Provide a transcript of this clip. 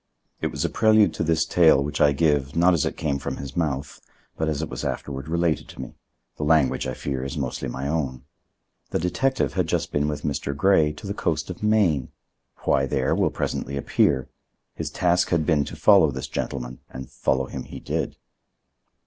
It was a prelude to this tale which I give, not as it came from his mouth, but as it was afterward related to me. The language, I fear, is mostly my own. The detective had just been with Mr. Grey to the coast of Maine. Why there, will presently appear. His task had been to follow this gentleman, and follow him he did.